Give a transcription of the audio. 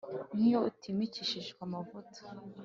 nk’iyo utimikishijwe amavuta